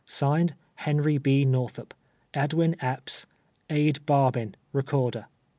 (Signed,) HEXKY Tx NORTIIUP. • EDWIN EPPS. ADE. BARBIN, Recorder.